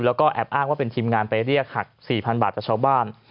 แล้วก็แอบอ้างว่าเป็นทีมงานไปเรียกหัก๔๐๐๐บาทจากชาวบ้าน